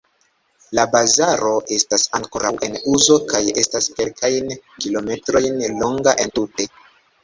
La bazaro estas ankoraŭ en uzo kaj estas kelkajn kilometrojn longa entute.